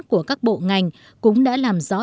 của các bộ ngành cũng đã làm rõ